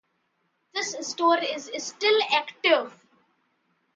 This store is still active.